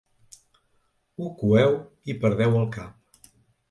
Ho coeu i perdeu el cap.